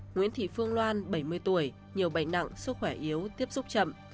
nguyễn thị phương loan bảy mươi tuổi nhiều bệnh nặng sức khỏe yếu tiếp xúc chậm